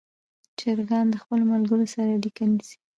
چرګان له خپلو ملګرو سره اړیکه نیسي.